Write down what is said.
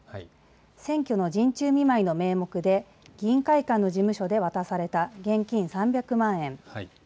選挙の陣中見舞いの名目で議員会館の事務所で渡された現金３００万円。